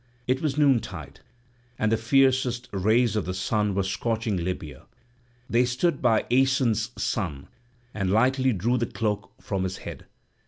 It was noon tide and the fiercest rays of the sun were scorching Libya; they stood near Aeson's son, and lightly drew the cloak from his head.